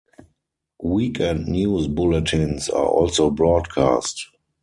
Weekend news bulletins are also broadcast.